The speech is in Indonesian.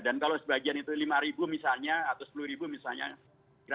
dan kalau sebagian itu lima misalnya